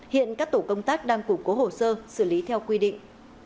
hiện các tổ công tác đang củng cố hồ sơ xử lý theo quy định